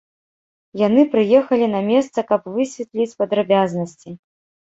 Яны прыехалі на месца, каб высветліць падрабязнасці.